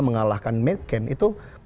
mengalahkan mccain itu